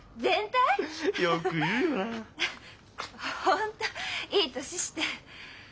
本当いい年して。